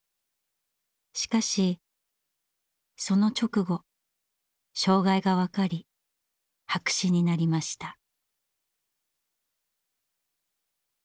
しかしその直後障害が分かり白紙になりました。